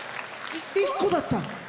鐘１個だった。